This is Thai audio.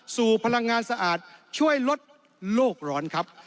พลังงานสะอาดช่วยลดโลกร้อนครับ